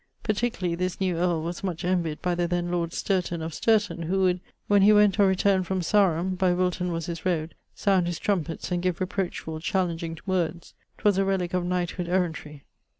Particularly this new earle was much envyed by the then lord Sturton of Sturton[FD], who would, when he went or returned from Sarum (by Wilton was his rode), sound his trumpetts, and give reproachfull challenging words; 'twas a relique of knighthood errantry.